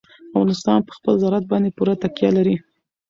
افغانستان په خپل زراعت باندې پوره تکیه لري.